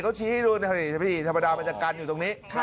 เขาชี้ให้ดูนะครับพี่ธรรมดามันจะกั้นอยู่ตรงนี้